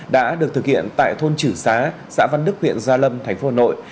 đã được thực hiện tại thôn chử xá xã văn đức huyện gia lâm thành phố nội